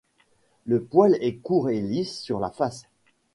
Le poil est court et lisse sur la face.